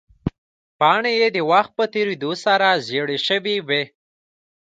پاڼې یې د وخت په تېرېدو سره زیړې شوې وې.